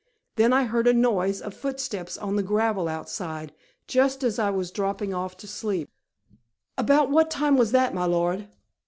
Then I heard a noise of footsteps on the gravel outside, just as I was dropping off to sleep " "About what time was that, my lord?"